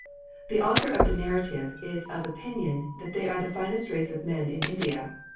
The author of the narrative is of opinion that they are the finest race of men in India.